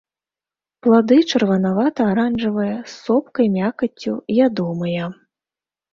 Плады чырванавата-аранжавыя, з сопкай мякаццю, ядомыя.